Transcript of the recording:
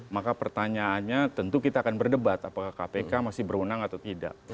maka pertanyaannya tentu kita akan berdebat apakah kpk masih berwenang atau tidak